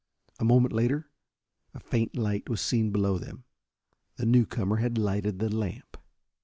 A moment later a faint light was seen below them. The newcomer had lighted the lamp.